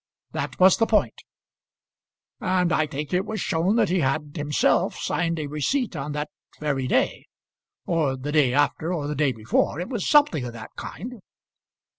"That was the point." "And I think it was shown that he had himself signed a receipt on that very day or the day after, or the day before. It was something of that kind."